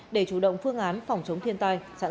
để chủ động phương án phòng chống thiên tai